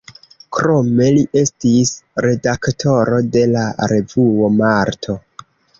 Krome li estis redaktoro de la revuo „Marto“.